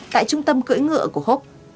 tại trung tâm cưỡi ngựa của hopps